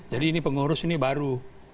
jadi ini pengurus ini baru